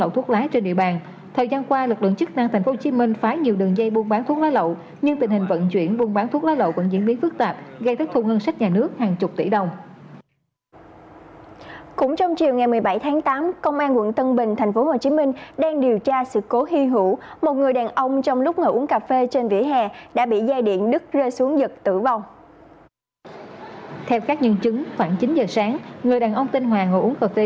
theo các nhân chứng khoảng chín giờ sáng người đàn ông tên hòa ngồi uống cà phê